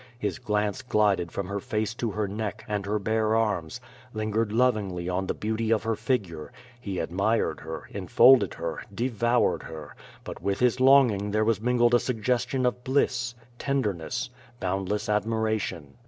His glance glided from her face to her neck, and her bare arms; lingered lovingly on the beauty of her figure; he admired her, en folded her, devoured her, but with his longing there was mingled a suggestion of bliss, tenderness, boundless admira tion.